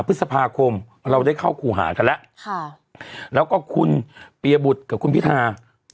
พฤษภาคมเราได้เข้าครูหากันแล้วแล้วก็คุณปียบุตรกับคุณพิธา